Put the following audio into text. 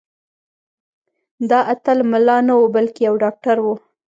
دا اتل ملا نه و بلکې یو ډاکټر و.